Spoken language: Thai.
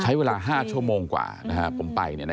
ใช้เวลา๕ชั่วโมงกว่าผมไป